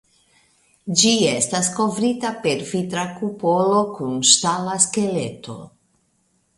Ĝi estas kovrita per vitra kupolo kun ŝtala skeleto.